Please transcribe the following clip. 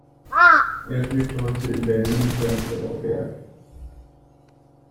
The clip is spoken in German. Er lebt heute in Berlin-Prenzlauer Berg.